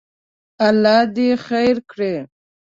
الله دې خیر کړي.